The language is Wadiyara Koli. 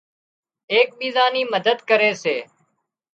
ايڪ ٻيزان ني مدد ڪري سي